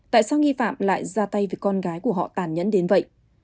tại sao nghi phạm lại ra tay với con gái của họ tàn nhẫn đến vậy